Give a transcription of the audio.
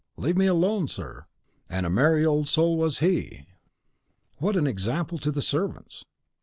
leave me alone, sir!" "'And a merry old soul was he '" "What an example to the servants!"